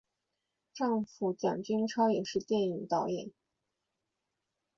丈夫蒋君超也是电影导演。